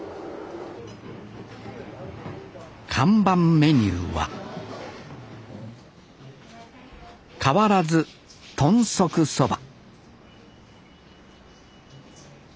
看板メニューは変わらず豚足そば。